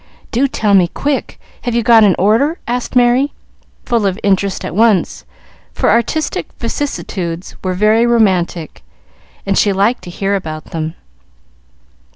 "Do tell me, quick; have you got an order?" asked Merry, full of interest at once, for artistic vicissitudes were very romantic, and she liked to hear about them.